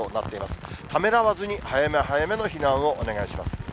ためらわずに早め早めの避難をお願いします。